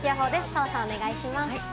澤さん、お願いします。